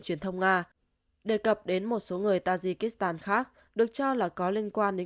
truyền thông nga đề cập đến một số người tajikistan khác được cho là có liên quan đến